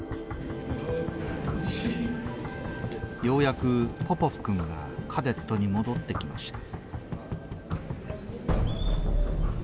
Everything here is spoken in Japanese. ようやくポポフ君がカデットに戻ってきました。